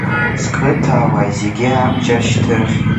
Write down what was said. Сқыҭауаа зегьы абџьар шьҭырхит.